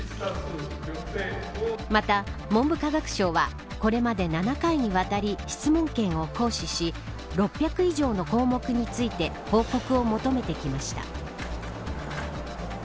また、文部科学省はこれまで７回にわたり質問権を行使し６００以上の項目について報告を求めてきました。